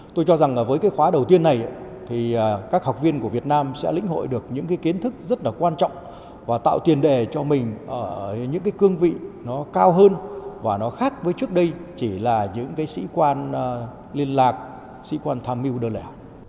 tôi cho rằng với cái khóa đầu tiên này thì các học viên của việt nam sẽ lĩnh hội được những kiến thức rất là quan trọng và tạo tiền đề cho mình những cái cương vị nó cao hơn và nó khác với trước đây chỉ là những cái sĩ quan liên lạc sĩ quan tham mưu đơn lẻ